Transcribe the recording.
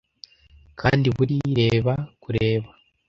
Kandi buri Reba Kureba.